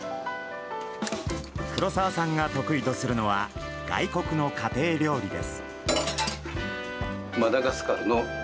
黒澤さんが得意とするのは外国の家庭料理です。